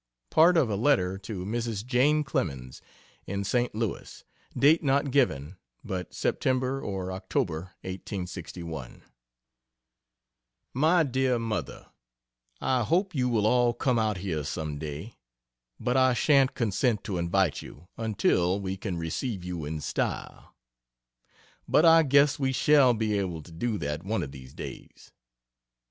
Part of a letter to Mrs. Jane Clemens, in St. Louis: (Date not given, but Sept, or Oct., 1861.) MY DEAR MOTHER, I hope you will all come out here someday. But I shan't consent to invite you, until we can receive you in style. But I guess we shall be able to do that, one of these days.